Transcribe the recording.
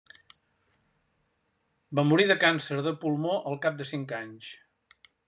Va morir de càncer de pulmó al cap de cinc anys.